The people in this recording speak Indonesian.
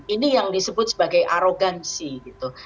ini yang disebut sebagai arogansi gitu